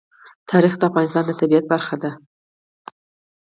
تاریخ د افغانستان د طبیعت برخه ده.